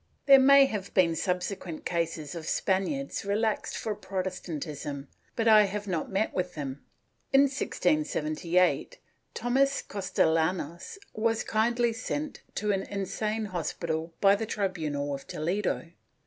* There may have been subsequent cases of Span iards relaxed for Protestantism, but I have not met with them. In 1678, Thomas Castillanos was kindly sent to an insane hospital by the tribunal of Toledo.